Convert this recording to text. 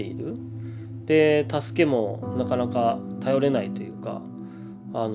で助けもなかなか頼れないというか。